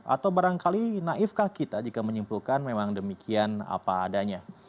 atau barangkali naifkah kita jika menyimpulkan memang demikian apa adanya